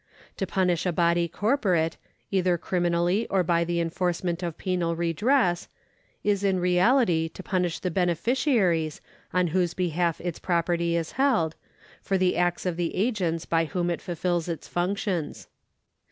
To punish a body corporate, either criminally or by the enforce ment of penal redress, is in reality to punish the beneficiaries on whose behalf its property is held, for the acts of the agents by whom it fulfils its functions.